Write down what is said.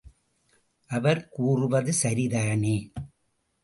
அவர் கூறுவது சரிதானே.